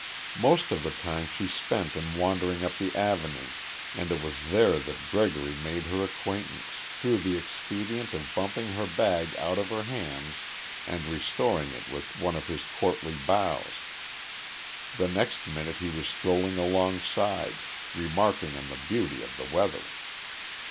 Most of the time she spent in wandering up the Avenue, and it was there that Gregory made her acquaintance through the expedient of bumping her bag out of her hands and restoring it with one of his courtly bows. The next minute he was strolling alongside, remarking on the beauty of the weather.